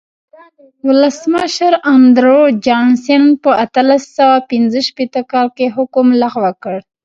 ولسمشر اندرو جانسن په اتلس سوه پنځه شپېته کال کې حکم لغوه کړ.